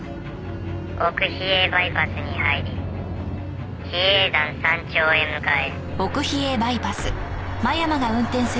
「奥比叡バイパスに入り比叡山山頂へ向かえ」